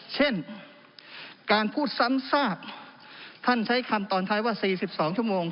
เช่นการพูดซ้ำซากท่านใช้คำตอนท้ายว่า๔๒ชั่วโมง